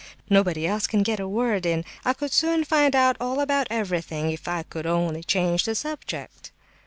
Nobody else can get a word in. I could soon find out all about everything if I could only change the subject."